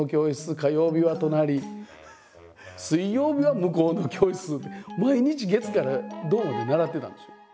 火曜日は隣水曜日は向こうの教室って毎日月から土まで習ってたんですよ。